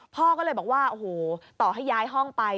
พ่อก็เลยบอกว่าโอ้โหต่อให้ย้ายห้องไป